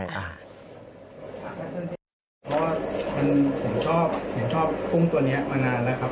เพราะว่าผมชอบผมชอบกุ้งตัวนี้มานานแล้วครับ